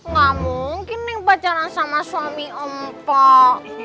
gak mungkin neng pacaran sama suami mbak